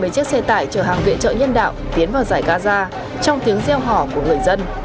hai mươi chiếc xe tải chở hàng viện chợ nhân đạo tiến vào giải gaza trong tiếng rêu hỏ của người dân